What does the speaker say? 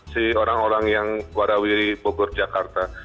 si orang orang yang warawiri bogor jakarta